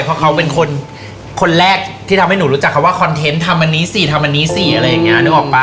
เพราะเขาเป็นคนแรกที่ทำให้หนูรู้จักคำว่าคอนเทนต์ทำอันนี้สิทำอันนี้สิอะไรอย่างนี้นึกออกป่